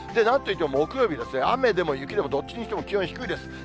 なんといっても木曜日ですね、雨でも雪でもどっちにしても気温低いです。